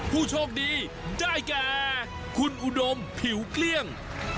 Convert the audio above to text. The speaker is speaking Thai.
ผู้โชคดีได้แก่คุณอุดมผิวเกลี้ยง